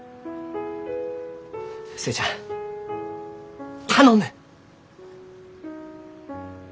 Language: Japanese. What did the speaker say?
寿恵ちゃん頼む！